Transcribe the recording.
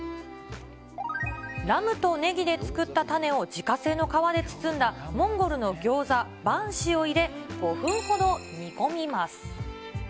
ラムとねぎで作ったタネを自家製の皮で包んだモンゴルのギョーザ、バンシを入れ、５分ほど煮込みます。